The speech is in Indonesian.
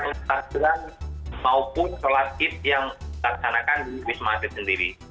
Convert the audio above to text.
dengan takbiran maupun sholat hit yang dilaksanakan di wisma atlet sendiri